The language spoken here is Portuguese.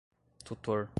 tutor